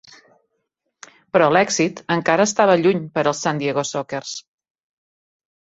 Però l'èxit encara estava lluny per als San Diego Sockers.